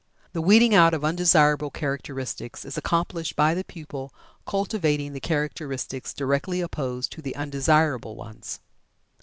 The weeding out of undesirable characteristics is accomplished by the pupil cultivating the characteristics directly opposed to the undesirable ones.